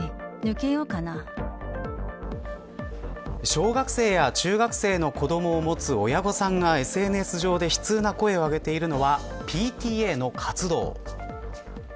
小学生や中学生の子どもを持つ親御さんがＳＮＳ上で悲痛な声を上げているのがＰＴＡの活動。